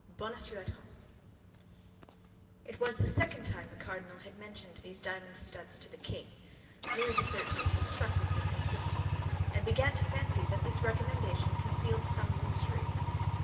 BONACIEUX AT HOME It was the second time the cardinal had mentioned these diamond studs to the king. Louis XIII. was struck with this insistence, and began to fancy that this recommendation concealed some mystery.